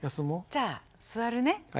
じゃあ座るね。